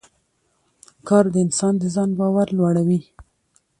کار د انسان د ځان باور لوړوي